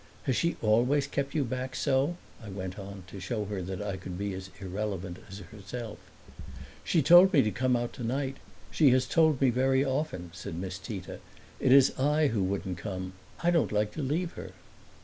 "Has she always kept you back so?" I went on, to show her that I could be as irrelevant as herself. "She told me to come out tonight; she has told me very often," said Miss Tita. "It is I who wouldn't come. I don't like to leave her."